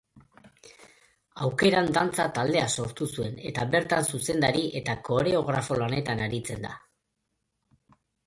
Aukeran dantza taldea sortu zuen eta bertan zuzendari eta koreografo lanetan aritzen da.